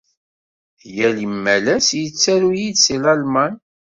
Yal imalas yettaru-yi-d seg Lalman.